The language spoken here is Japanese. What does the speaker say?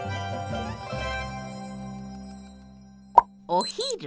お昼。